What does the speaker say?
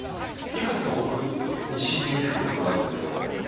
いくつか僕に侵入できる角度あるんですよ。